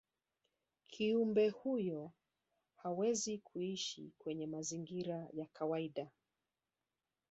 kiumbe huyo hawezi kuishi kwenye mazingira ya kawaida